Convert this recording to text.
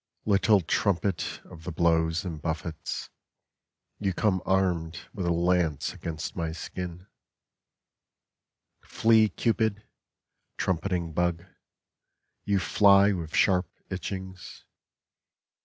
Little trumpet of the blows and buffets, You come armed with a lance against my skin, Flea cupid, trumpeting bug, You fly with sharp itchings.